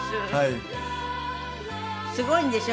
すごいんですよ